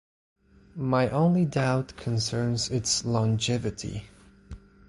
My only doubt concerns its longevity.